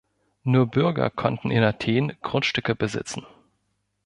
Nur Bürger konnten in Athen Grundstücke besitzen.